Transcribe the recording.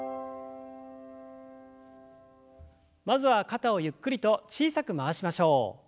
まずは肩をゆっくりと小さく回しましょう。